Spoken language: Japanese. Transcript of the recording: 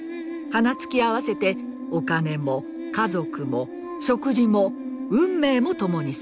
鼻突き合わせてお金も家族も食事も運命も共にする。